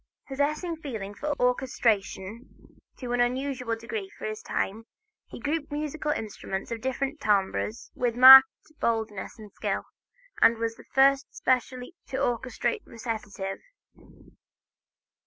Possessing feeling for orchestration to an unusual degree for his time, he grouped musical instruments of different timbres with marked boldness and skill, and was the first specially to orchestrate recitative.